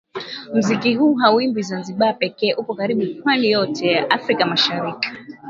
Mziki huu hauimbwi zanzibari pekee upo karibu pwani yote ya afrika mashariki